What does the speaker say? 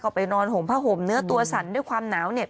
ไปนอนห่มผ้าห่มเนื้อตัวสั่นด้วยความหนาวเนี่ย